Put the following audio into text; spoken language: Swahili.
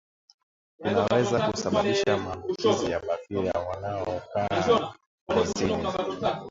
kunaweza kusababisha maambukizi ya bakteria wanaokaa ngozini